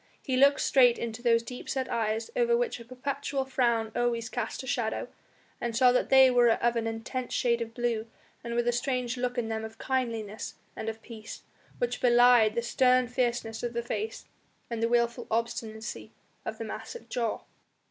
He looked straight into those deep set eyes over which a perpetual frown always cast a shadow, and saw that they were of an intense shade of blue and with a strange look in them of kindliness and of peace, which belied the stern fierceness of the face and the wilful obstinacy of the massive jaw.